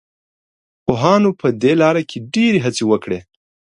پوهانو په دې لاره کې ډېرې هڅې وکړې.